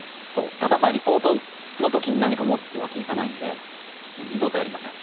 ただリポートの時に何か持つというわけにいかないのでもう二度とやりません。